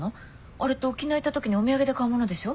あれって沖縄行った時にお土産で買うものでしょ。